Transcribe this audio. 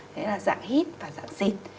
đấy là dạng hít và dạng dịch